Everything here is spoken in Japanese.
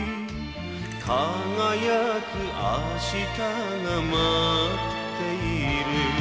「輝く明日が待っている」